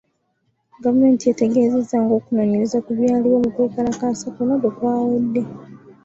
Gavumenti yategeezezza ng’okunoonyereza ku byaliwo mu kwekalakaasa kuno bwe kwawedde .